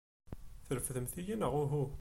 Trefdemt-iyi neɣ uhu?